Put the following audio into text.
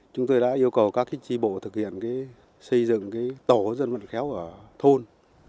chúng tôi đã yêu cầu các tri bộ thực hiện xây dựng tổ dân vận khéo ở thôn